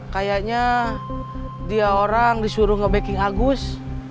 kayaknya dia orang disuruh nge backing agus